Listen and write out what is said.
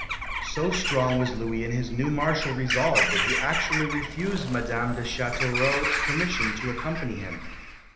So strong was Louis in his new martial resolve that he actually refused Madame de Chateauroux permission to accompany him.